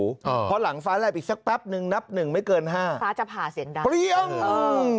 เพราะหลังฟ้าแลบอีกแป๊บนึงนับหนึ่งไม่เกิน๕ฟ้าจะผ่าเสียงดัง